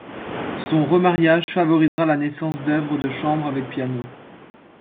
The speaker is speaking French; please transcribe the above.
Son remariage favorisera la naissance d'œuvres de chambre avec piano.